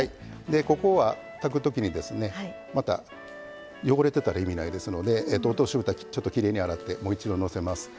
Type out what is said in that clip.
ここは炊く時にですねまた汚れてたら意味ないですので落としぶたきれいに洗ってもう一度のせます。